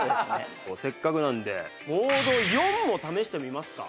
せっかくなのでモード４も試してみますか？